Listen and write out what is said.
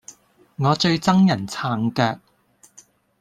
我最憎人撐腳